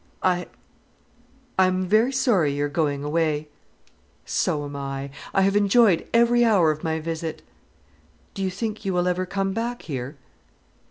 "I I am very sorry you are going away." "So am I. I have enjoyed every hour of my visit." "Do you think you will ever come back here?"